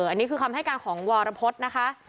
อันนี้คือคำให้การของวรพฤษนะคะ